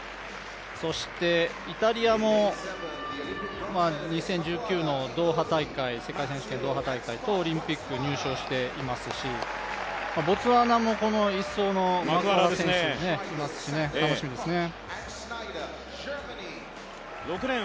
そしてイタリアも２０１９の世界選手権ドーハ大会とオリンピック入賞していますしボツワナも１走のマクワラ選手がいますし、楽しみですね。